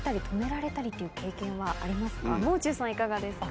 もう中さんいかがですか？